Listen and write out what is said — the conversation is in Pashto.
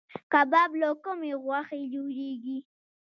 کباب له کومې غوښې جوړیږي؟